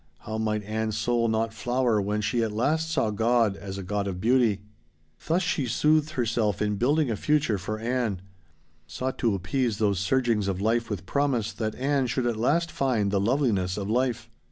How might Ann's soul not flower when she at last saw God as a God of beauty? Thus she soothed herself in building a future for Ann. Sought to appease those surgings of life with promise that Ann should at last find the loveliness of life.